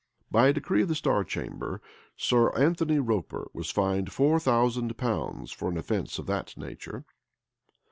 By a decree of the star chamber, Sir Anthony Roper was fined four thousand pounds for an offence of that nature.